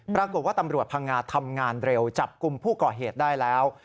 ปรากฏว่าตำรวจพังงาทำงานเร็วจับกลุ่มผู้ก่อเหตุได้แล้ว